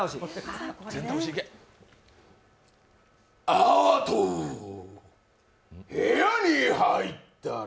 あとー、部屋に入ったら！